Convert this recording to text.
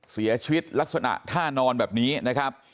เสียชีวิตลักษณะท่านอนแบบนี้นะครับ